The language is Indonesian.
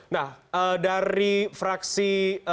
nah dari fraksi